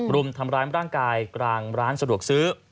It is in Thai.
รุมทำร้ายร่างกายกลางร้านสะดวกซื้อ